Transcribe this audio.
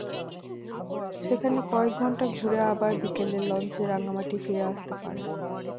সেখানে কয়েক ঘণ্টা ঘুরে আবার বিকেলের লঞ্চে রাঙামাটি ফিরে আসতে পারেন।